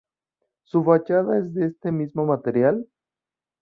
Su fachada es de este mismo material.